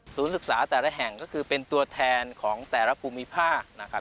ศึกษาแต่ละแห่งก็คือเป็นตัวแทนของแต่ละภูมิภาคนะครับ